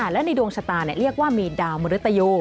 และในดวงชะตาเรียกว่ามีดาวมริตโย